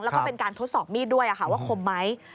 แล้วก็เป็นการทดสอบมีดด้วยว่าคมไหม